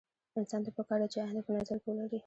انسان ته پکار ده چې اينده په نظر کې ولري.